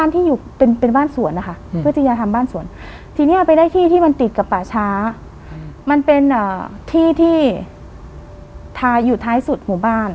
ทีนี้ไปได้ที่ที่มันติดกับป่าชามันเป็นที่ที่อยู่ท้ายสุดหมู่บ้าน